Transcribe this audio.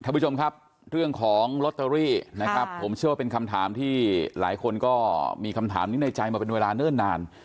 ท่านผู้ชมครับเรื่องของลอตเตอรี่นะครับผมเชื่อว่าเป็นคำถามที่หลายคนก็มีคำถามนี้ในใจมาเป็นเวลาเนิ่นนาน